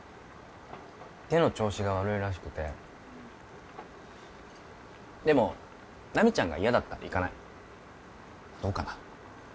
手の調子が悪いらしくてでも奈未ちゃんが嫌だったら行かないどうかな？